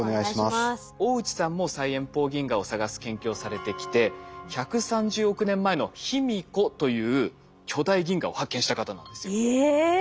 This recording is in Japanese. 大内さんも最遠方銀河を探す研究をされてきて１３０億年前のヒミコという巨大銀河を発見した方なんですよ。え！